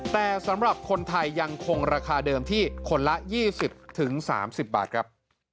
แต่สำหรับคนไทยยังคงราคาเดิมที่คนละ๒๐๓๐บาทครับ